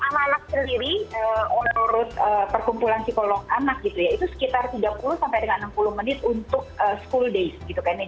anak anak sendiri menurut perkumpulan psikolog anak gitu ya itu sekitar tiga puluh sampai dengan enam puluh menit untuk school days gitu kan ya